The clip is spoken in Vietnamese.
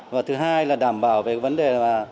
và thứ hai là đảm bảo về vấn đề